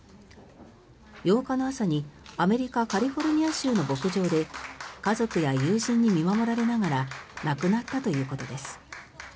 ８日の朝にアメリカ・カリフォルニア州の牧場で家族や友人に見守られながら亡くなったということです。